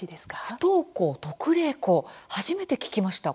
不登校特例校初めて聞きました。